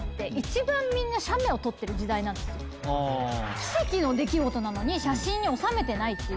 奇跡の出来事なのに写真に収めてないっていう。